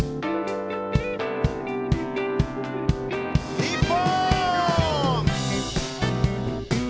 日本！